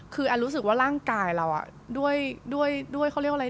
คือรู้สึกว่าร่างกายเรา